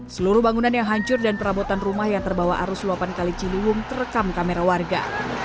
seluruh bangunan yang hancur dan perabotan rumah yang terbawa arus luapan kali ciliwung terekam kamera warga